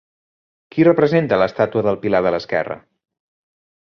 Qui representa l'estàtua del pilar de l'esquerra?